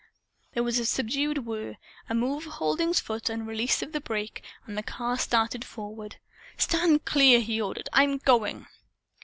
There was a subdued whir. A move of Halding's foot and a release of the brake, and the car started forward. "Stand clear!" he ordered. "I'm going."